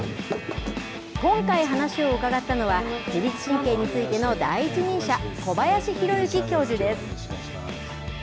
今回、話を伺ったのは、自律神経についての第一人者、小林弘幸教授です。